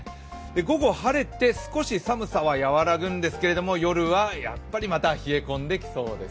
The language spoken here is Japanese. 午後、晴れて、少し寒さは和らぐんですが、夜はやはりまた冷え込んできそうです。